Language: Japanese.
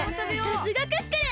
さすがクックルン！